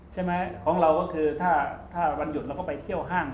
ใช่ไหมของเราก็คือถ้าวันหยุดเราก็ไปเที่ยวห้าง